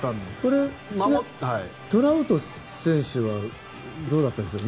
トラウト選手はどうだったんでしょう。